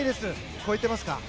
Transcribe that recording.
超えていますか？